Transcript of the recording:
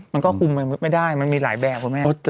มันก็คุมไม่ได้มันมีหลายแบบ